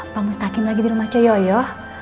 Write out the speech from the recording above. pak mustaqim lagi di rumah ceyo